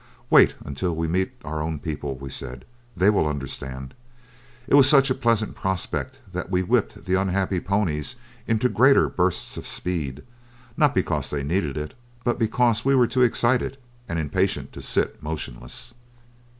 Wait until we meet our own people, we said, they will understand! It was such a pleasant prospect that we whipped the unhappy ponies into greater bursts of speed, not because they needed it, but because we were too excited and impatient to sit motionless.